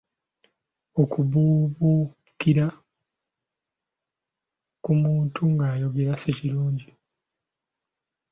Okubuubuukira ku muntu ng'ayogera si kirungi.